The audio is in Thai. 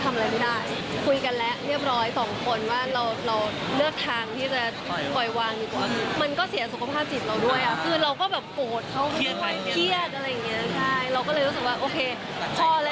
ไม่ได้มีอะไรคลึบหน้า